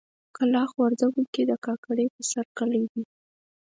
کلاخ وردګو کې د ګاګرې په سر کلی دی.